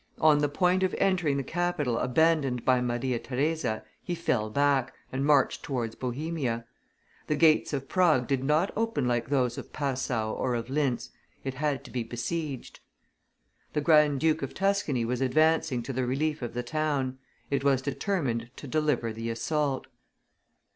On the point of entering the capital abandoned by Maria Theresa, he fell back, and marched towards Bohemia; the gates of Prague did not open like those of Passau or of Lintz; it had to be besieged. The Grand duke of Tuscany was advancing to the relief of the town; it was determined to deliver the assault.